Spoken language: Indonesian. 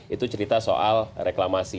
itu cerita soal reklamasi